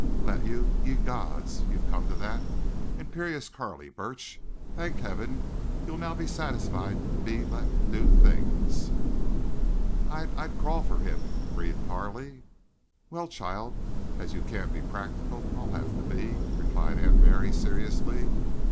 "Let you? Ye gods! So you've come to that? Imperious Carley Burch!... Thank Heaven, you'll now be satisfied to be let do things." "I'd—I'd crawl for him," breathed Carley. "Well, child, as you can't be practical, I'll have to be," replied Aunt Mary, seriously.